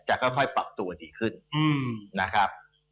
ค่อยปรับตัวดีขึ้นนะครับ